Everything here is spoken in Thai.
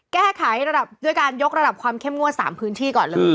แก้ไขระดับด้วยการยกระดับความเข้มงวด๓พื้นที่ก่อนเลย